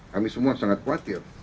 kami semua sangat khawatir